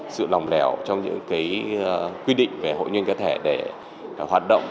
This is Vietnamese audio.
sự lòng lẻo trong những cái quy định về hội kinh doanh cá thể để hoạt động